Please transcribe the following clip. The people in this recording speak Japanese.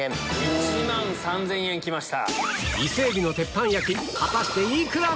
１万３０００円きました。